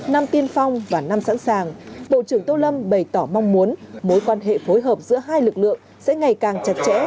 năm tiên phong và năm sẵn sàng bộ trưởng tô lâm bày tỏ mong muốn mối quan hệ phối hợp giữa hai lực lượng sẽ ngày càng chặt chẽ